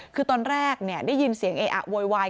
คือตอนแรกได้ยินเสียงเออะโวยวาย